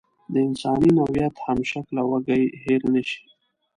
د انساني نوعیت همشکله وږی هېر نشي.